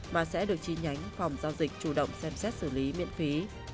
mà sẽ được chi nhánh phòng giao dịch chủ động xem xét xử lý miễn phí